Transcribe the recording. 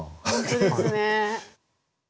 本当ですね。